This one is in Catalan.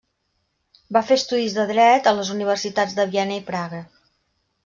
Va fer estudis de Dret a les universitats de Viena i Praga.